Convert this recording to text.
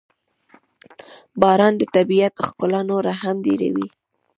• باران د طبیعت ښکلا نوره هم ډېروي.